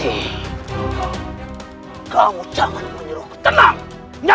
aku akan membayarnya